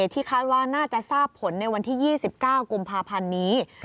ที่คาดว่าน่าจะทราบผลในวันที่๒๙กุมภาพันธ์นี้